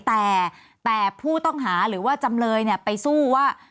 แต่แต่ผู้ต้องหาหรือว่าจำเลยไปสู้ว่า